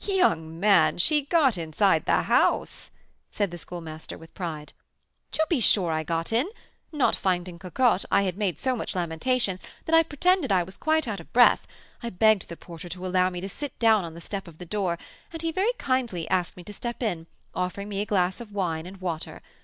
Young man, she got inside the house!" said the Schoolmaster, with pride. "To be sure I got in! Not finding Cocotte, I had made so much lamentation that I pretended I was quite out of breath; I begged the porter to allow me to sit down on the step of the door, and he very kindly asked me to step in, offering me a glass of wine and water.